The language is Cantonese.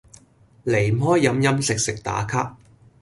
離唔開飲飲食食打卡